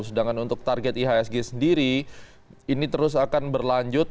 sedangkan untuk target ihsg sendiri ini terus akan berlanjut